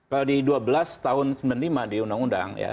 kalau di dua belas tahun sembilan puluh lima di undang undang ya